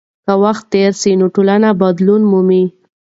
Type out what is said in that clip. که وخت تېر سي نو ټولنه بدلون مومي.